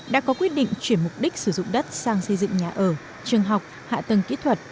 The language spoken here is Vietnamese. đã có quyết định chuyển mục đích sử dụng đất sang xây dựng nhà ở trường học hạ tầng kỹ thuật